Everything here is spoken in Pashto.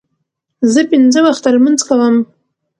زه پنځه وخته لمونځ کوم.